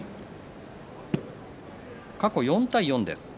過去４対４です。